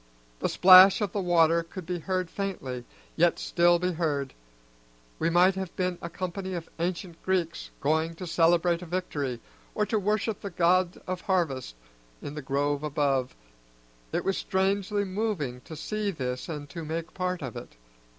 The plash of the water could be heard faintly, yet still be heard; we might have been a company of ancient Greeks going to celebrate a victory, or to worship the god of harvests, in the grove above. It was strangely moving to see this and to make part of it.